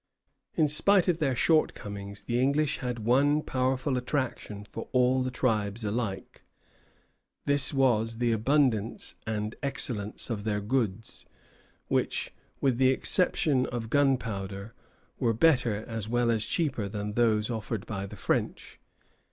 In spite of their shortcomings, the English had one powerful attraction for all the tribes alike. This was the abundance and excellence of their goods, which, with the exception of gunpowder, were better as well as cheaper than those offered by the French.